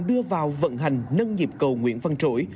đưa vào vận hành nâng nhịp cầu nguyễn văn trỗi